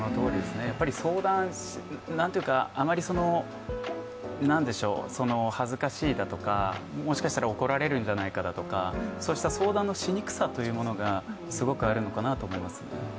やっぱり相談、あまり恥ずかしいだとかもしかしたら怒られるんじゃないかだとかそうした相談のしにくさというものがすごくあるのかなと思いますね。